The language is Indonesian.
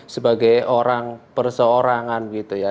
sebagai orang perseorangan gitu ya